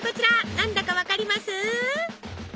何だか分かります？